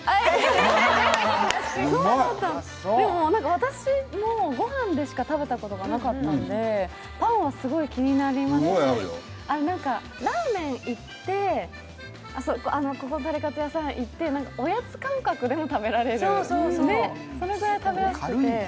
私も御飯でしか食べたことなかったんで、パンはすごい気になりますし、ラーメン行って、ここのタレカツ屋さん行って、おやつ感覚でも食べられる、そのぐらい食べやすくて。